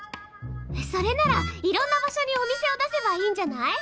それならいろんな場所にお店を出せばいいんじゃない？